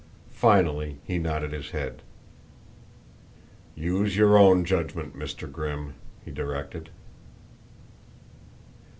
Finally he nodded his head. "Use your own judgment, Mr. Grimm," he directed.